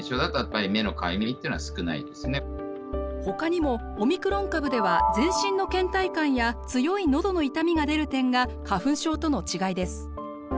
ほかにもオミクロン株では全身のけん怠感や強いのどの痛みが出る点が花粉症との違いです。